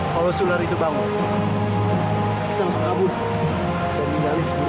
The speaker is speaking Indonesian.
kalau sular itu bangun kita harus kabur dan ninggalin si buruk itu